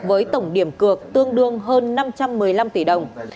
với tổng điểm cược tương đương hơn năm trăm một mươi năm tỷ đồng